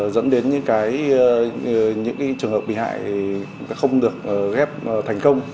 dẫn đến những trường hợp bị hại không được ghép thành công